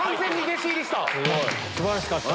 素晴らしかった！